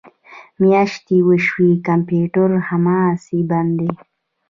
میاشتې وشوې کمپیوټر هماسې بند دی